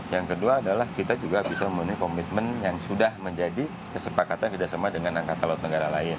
yang kedua adalah kita juga bisa memenuhi komitmen yang sudah menjadi kesepakatan kerjasama dengan angkatan laut negara lain